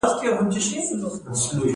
ایا زه باید په تیاره کې ویده شم؟